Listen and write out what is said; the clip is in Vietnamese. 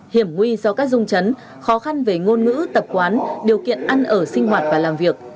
hiểm nguy do các rung chấn khó khăn về ngôn ngữ tập quán điều kiện ăn ở sinh hoạt và làm việc